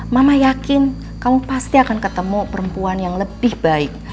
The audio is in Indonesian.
mama yakin kamu pasti akan ketemu perempuan yang lebih baik